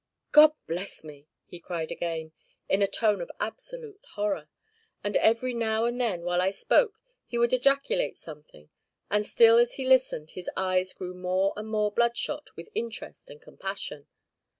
'God bless me!' he cried again, in a tone of absolute horror. And every now and then, while I spoke, he would ejaculate something; and still as he listened his eyes grew more and more bloodshot with interest and compassion.